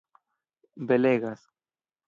belegas